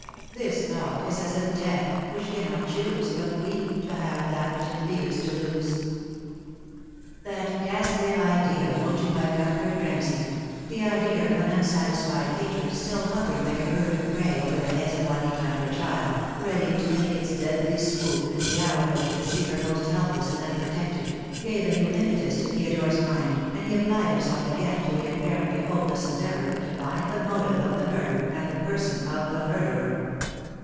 This thought is as a death, which cannot choose But weep to have that which it fears to lose." That ghastly idea mooted by Cuthbert Ramsay — the idea of an unsatisfied hatred still hovering like a bird of prey over the heads of Juanita and her child, ready to make its deadly swoop in the hour that should see her most helpless and unprotected— gave a new impetus to Theodore's mind, and he applied himself again to the apparently hopeless endeavour to find the motive of the murder and the person of the murderer.